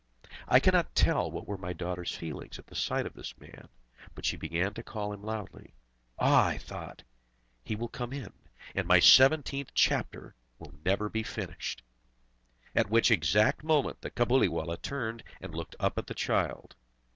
I cannot tell what were my daughter's feelings at the sight of this man, but she began to call him loudly. "Ah!" I thought, "he will come in, and my seventeenth chapter will never be finished!" At which exact moment the Cabuliwallah turned, and looked up at the child.